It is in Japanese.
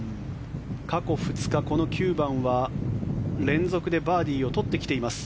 過去２日、この９番は連続でバーディーを取ってきています。